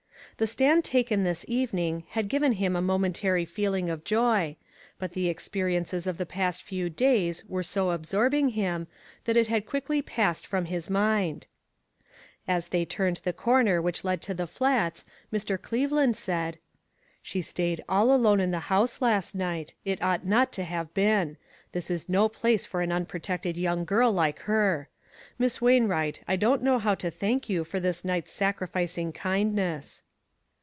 The stand taken this evening had given him a momentary feeling of joy ; but the experiences of the past few days were so absorbing him, that it had quickly passed from his mind. As they turned the corner 504 ONE COMMONPLACE DAY. which led to the Flats, Mr. Cleveland said :" She stayed all alone in the house last night ; it ought not to have been. This is no place for an unprotected young girl like her. Miss Wainwright, I don't know how to thank you for this night's sacrificing kindness."